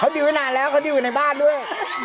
เขาดิวไปนานแล้วเขาดิวในบ้านด้วย